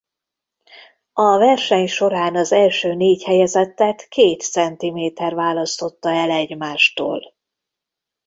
A verseny során az első négy helyezettet két centiméter választotta el egymástól.